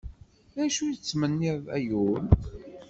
D acu i tettmenniḍ, ay ul?